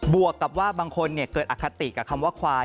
วกกับว่าบางคนเกิดอคติกับคำว่าควาย